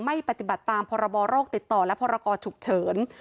ไม่ปฏิบัติตามพรบโรคติดต่อและพรกรฉุกเฉิน